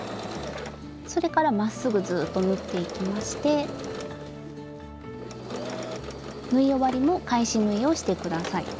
それからまっすぐずっと縫っていきまして縫い終わりも返し縫いをして下さい。